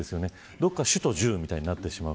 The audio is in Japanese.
どこか主と従みたいになってしまう。